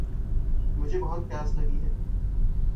मुझे बहुत प्यास लगी है।